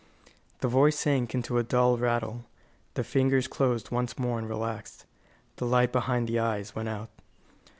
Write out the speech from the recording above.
The voice sank into a dull rattle. The fingers closed once more, and relaxed. The light behind the eyes went out.